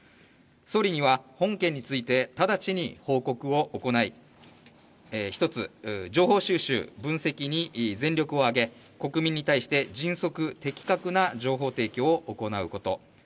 総理には本件について直ちに報告を行い、１つ、情報収集・分析に全力を挙げ、国民に対して迅速・的確な情報提供を行うこと。